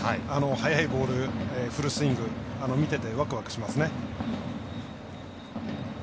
速いボールフルスイング見ててわくわくしますね。